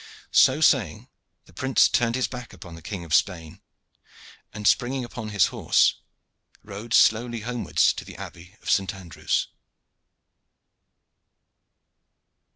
So saying, the prince turned his back upon the King of Spain, and springing upon his horse, rode slowly homewards to the Abbey of Saint Andrew's.